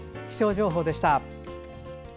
気象情報でした。